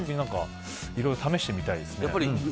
なんかいろいろ試してみたいです